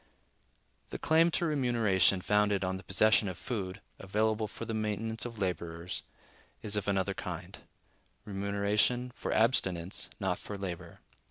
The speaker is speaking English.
The claim to remuneration founded on the possession of food, available for the maintenance of laborers, is of another kind; remuneration for abstinence, not for labor.